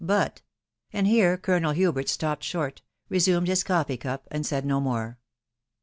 but ".... and here Colonel Hubert stopped short, resumed his coffee cup, and said no more.